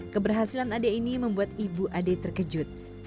keberhasilan ade ini membuat ibu ade terkejut